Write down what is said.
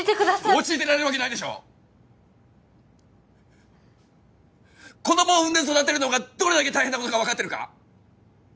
落ち着いてられるわけないでしょ子供を産んで育てるのがどれだけ大変なことか分かってるか？